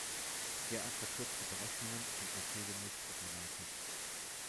Derart verkürzte Berechnungen sind naturgemäß problematisch.